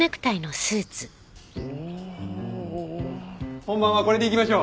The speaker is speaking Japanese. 本番はこれでいきましょう。